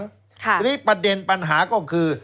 ทีนี้ประเด็นปัญหาก็คือ